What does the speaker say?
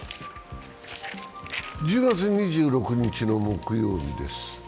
１０月２６日の木曜日です。